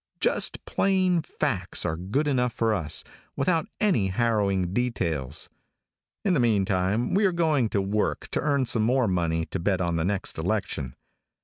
Just plain facts are good enough for us, without any harrowing details. In the meantime we are going to work to earn some more money to bet on the next election.